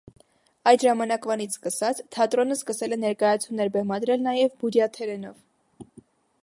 Այդ ժամանակվանից սկսած թատրոնն սկսել է ներկայացումներ բեմադրել նաև բուրյաթերենով։